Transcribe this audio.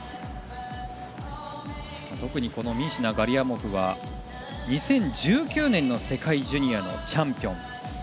特にミーシナとガリアモフは２０１９年の世界ジュニアのチャンピオン。